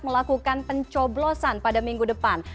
melakukan pencoblosan pada minggu depan